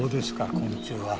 昆虫は。